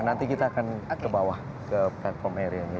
nanti kita akan ke bawah ke platform areanya